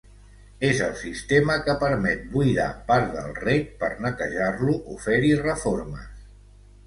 És el sistema que permet buidar part del rec per netejar-lo o fer-hi reformes.